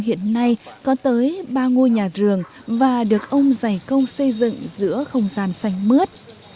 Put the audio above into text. hiện nay có tới ba ngôi nhà rường và được ông giải công xây dựng giữa không gian xanh mướt